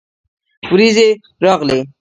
ورېځې راغلې